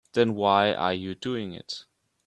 Then why are you doing it?